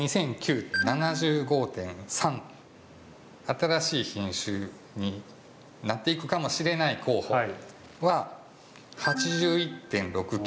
新しい品種になっていくかもしれない候補は、８１．６９。